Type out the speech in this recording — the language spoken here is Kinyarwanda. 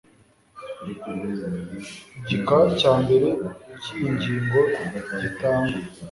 gika cya mbere cy iyi ngingo gitangwa